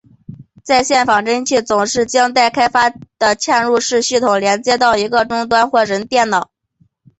在线仿真器总是将待开发的嵌入式系统连接到一个终端或个人电脑。